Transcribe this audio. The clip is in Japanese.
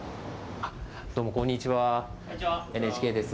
どうもこんにちは、ＮＨＫです。